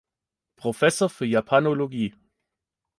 Professor für Japanologie.